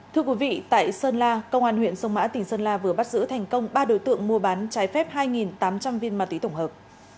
thưa quý vị tại sơn la công an huyện sông mã tỉnh sơn la vừa bắt giữ thành công ba đối tượng mua bán trái phép hai tám trăm linh viên ma túy tổng hợp